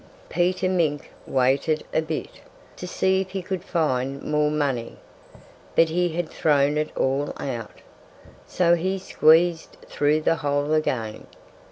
Peter Mink waited a bit, to see if he could find more money. But he had thrown it all out. So he squeezed through the hole again.